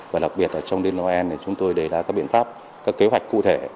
và đặc biệt trong đêm noel chúng tôi đề ra các biện pháp các kế hoạch cụ thể